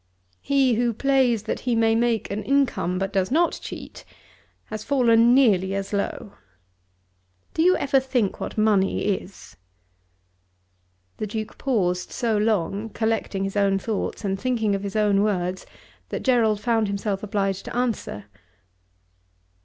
"He who plays that he may make an income, but does not cheat, has fallen nearly as low. Do you ever think what money is?" The Duke paused so long, collecting his own thoughts and thinking of his own words, that Gerald found himself obliged to answer.